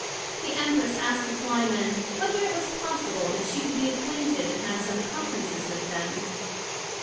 The Empress asked the Fly men, whether it was possible that she could be acquainted, and have some conferences with them?